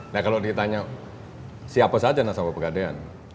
nah kalau ditanya siapa saja nasabah pegadean